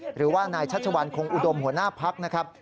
หรือว่านายชัชวัลคงอุดมหัวหน้าพักนะครับ